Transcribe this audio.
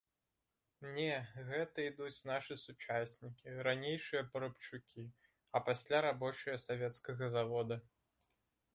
Не, гэта ідуць нашы сучаснікі, ранейшыя парабчукі, а пасля рабочыя савецкага завода.